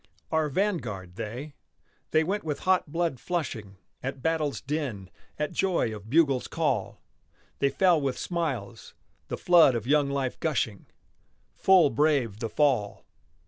Our vanguard, they. They went with hot blood flushing At battle's din, at joy of bugle's call. They fell with smiles, the flood of young life gushing, Full brave the fall!